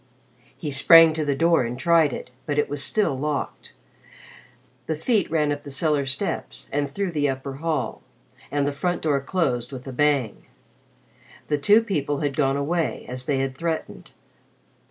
He sprang to the door and tried it, but it was still locked. The feet ran up the cellar steps and through the upper hall, and the front door closed with a bang. The two people had gone away, as they had threatened.